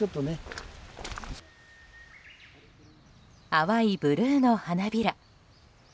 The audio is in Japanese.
淡いブルーの花びら。